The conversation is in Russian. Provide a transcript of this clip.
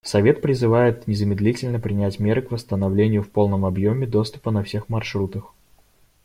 Совет призывает незамедлительно принять меры к восстановлению в полном объеме доступа на всех маршрутах.